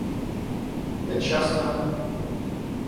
Я часто...